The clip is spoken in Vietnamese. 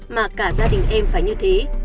mà cả gia đình em phải như thế